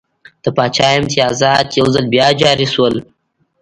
د پاچا امتیازات یو ځل بیا جاري شول.